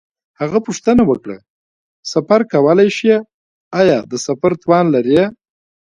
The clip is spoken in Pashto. هغه پوښتنه وکړه: سفر کولای شې؟ آیا د سفر توان لرې؟